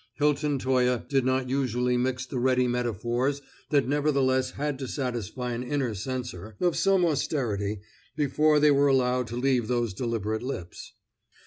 Hilton Toye did not usually mix the ready metaphors that nevertheless had to satisfy an inner censor, of some austerity, before they were allowed to leave those deliberate lips.